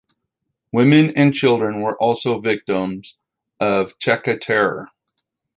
Women and children were also victims of Cheka terror.